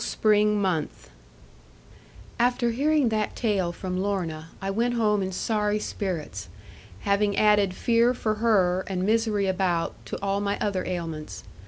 CHAPTER XXII After hearing that tale from Lorna, I went home in sorry spirits, having added fear for her, and misery about, to all my other ailments.